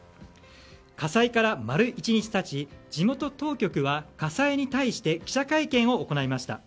火災から丸１日経ち、地元当局は火災に対して記者会見を行いました。